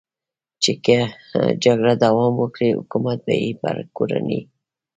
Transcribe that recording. چې که جګړه دوام وکړي، حکومت به یې پر کورنۍ.